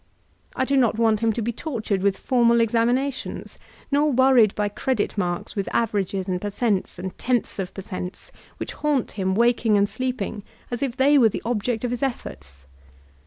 I do not want him to be tortured with formal examinations, nor worried by credit marks with averages and per cents and tenths of per cents, which haunt him walctng and MoDBEN Educational Rbtoek 332 sleeping, as if thqr were the object of his efforts.